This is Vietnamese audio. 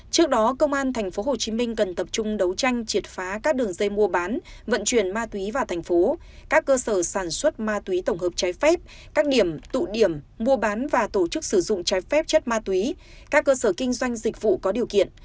trước đó công an tp hcm cần tập trung đấu tranh triệt phá các đường dây mua bán vận chuyển ma túy vào thành phố các cơ sở sản xuất ma túy tổng hợp trái phép các điểm tụ điểm mua bán và tổ chức sử dụng trái phép chất ma túy các cơ sở kinh doanh dịch vụ có điều kiện